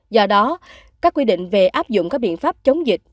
do đó các quy định về áp dụng các biện pháp chống dịch